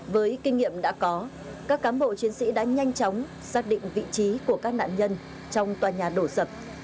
với kinh nghiệm đã có các cám bộ chiến sĩ đã nhanh chóng xác định vị trí của các nạn nhân trong tòa nhà đổ sập